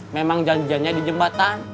memang janjiannya di jembatan